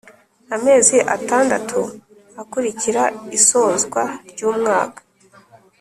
Amezi atandatu akurikira isozwa ry’umwaka